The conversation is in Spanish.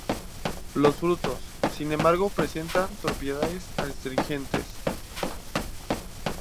Los frutos, sin embargo, presentan propiedades astringentes.